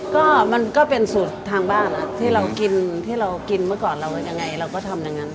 ก็มันก็เป็นสูตรทางบ้านที่เรากินเมื่อก่อนเราก็ทำอย่างนั้น